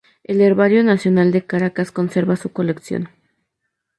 El Herbario Nacional de Caracas conserva su colección.